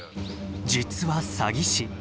実は詐欺師。